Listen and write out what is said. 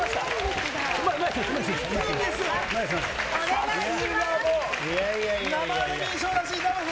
お願いします。